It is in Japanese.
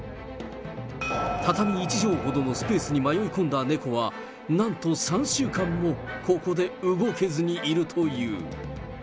畳１畳ほどのスペースに迷い込んだ猫は、なんと３週間もここで動けずにいるという。